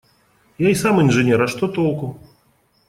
Я и сам инженер, а что толку?